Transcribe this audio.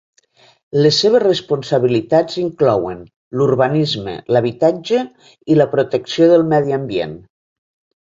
Les seves responsabilitats inclouen l'urbanisme, l'habitatge i la protecció del medi ambient.